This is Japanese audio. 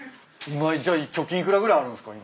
じゃあ貯金幾らぐらいあるんですか？